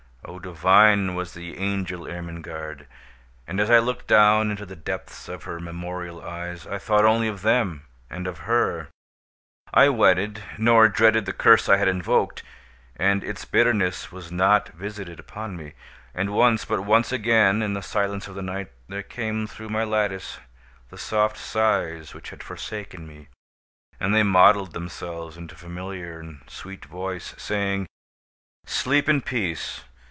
Oh, divine was the angel Ermengarde! and as I looked down into the depths of her memorial eyes, I thought only of them—and of her. I wedded—nor dreaded the curse I had invoked; and its bitterness was not visited upon me. And once—but once again in the silence of the night; there came through my lattice the soft sighs which had forsaken me; and they modelled themselves into familiar and sweet voice, saying: "Sleep in peace!